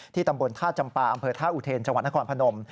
ตำบลท่าจำปาอำเภอท่าอุเทนจังหวัดนครพนม